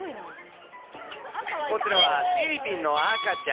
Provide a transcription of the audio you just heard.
こちらはフィリピンの赤ちゃん。